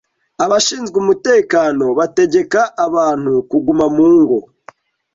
Abashinzwe umutekano bategeka abantu kuguma mu ngo